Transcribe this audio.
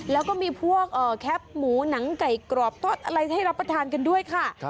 แล้วก็มีพวกแคปหมูหนังไก่กรอบทอดอะไรให้รับประทานกันด้วยค่ะ